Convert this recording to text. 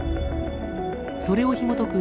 それをひもとく